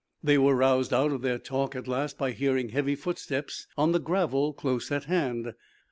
They were roused out of their talk, at last, by hearing heavy footsteps on the gravel close at hand.